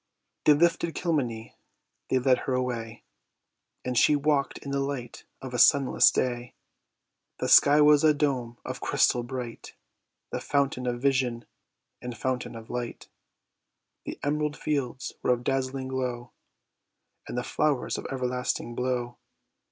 They lifted Kilmeny, they led her away, And she walk'd in the light of a sunless day; The sky was a dome of crystal bright, The fountain of vision, and fountain of light: The emerald fields were of dazzling glow, And the flowers of everlasting blow.